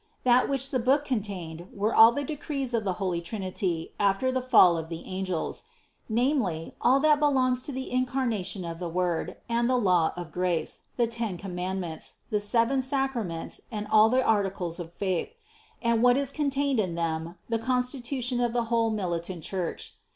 That which the book contained were all the decrees of the holy Trinity after the fall of the angels; namely all that belongs to the Incarnation of the Word, and the law of grace, the ten Command ments, the seven Sacraments and all the articles of faith, and what is contained in them, the constitution of the whole militant Church.